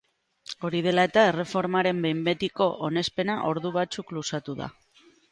Hori dela eta, erreformaren behin betiko onespena ordu batzuk luzatu da.